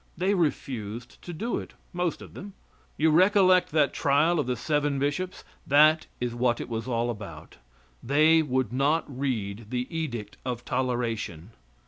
They refused to do it most of them. You recollect that trial of the seven bishops? That is what it was all about; they would not read the edict of toleration.